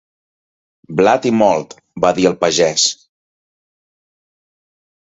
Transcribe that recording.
Blat i molt, va dir el pagès.